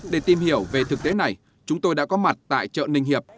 để tìm hiểu về thực tế này chúng tôi đã có mặt tại chợ ninh hiệp